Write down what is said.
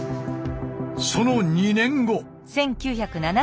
その２年後！